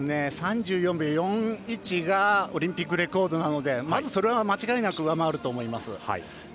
３４秒４１がオリンピックレコードなのでまずそれは間違いなく上回ると思います。